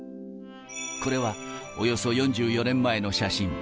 これは、およそ４４年前の写真。